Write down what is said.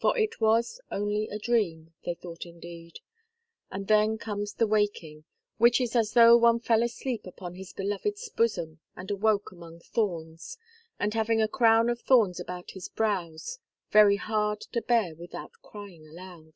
For it was only a dream, they thought indeed. And then comes the waking, which is as though one fell asleep upon his beloved's bosom and awoke among thorns, and having a crown of thorns about his brows very hard to bear without crying aloud.